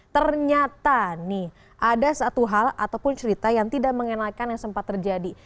ternyata nih ada satu hal ataupun cerita yang tidak mengenalkan yang sempat terjadi